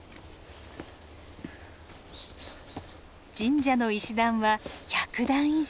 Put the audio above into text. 神社の石段は１００段以上。